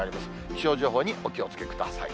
気象情報にお気をつけください。